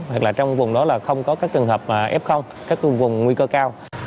hoặc là trong vùng đó là không có các trường hợp f các vùng nguy cơ cao